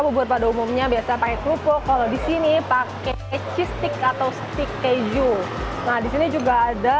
bubur pada umumnya biasa pakai kelupuk kalau di sini pakai cistik atau stick keju nah di sini juga